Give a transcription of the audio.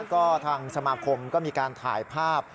ก็ทางสมาคมก็มีการถ่ายภาพ